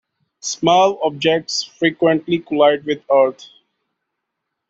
Small objects frequently collide with Earth.